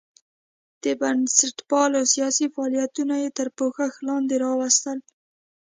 د بنسټپالو سیاسي فعالیتونه یې تر پوښښ لاندې راوستل.